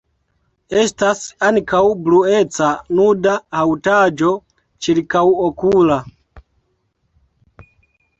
Estas ankaŭ blueca nuda haŭtaĵo ĉirkaŭokula.